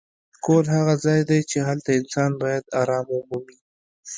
کور هغه ځای دی چې هلته انسان باید ارام ومومي.